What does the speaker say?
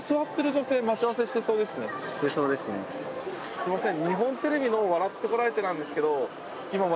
すいません。